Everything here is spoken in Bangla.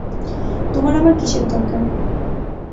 তোমার আবার কিসের দরকার?